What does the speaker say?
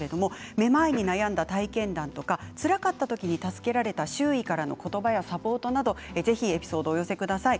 めまいに悩んだ体験談とかつらかった時に助けられた周囲からの言葉やサポートなどぜひエピソードをお寄せください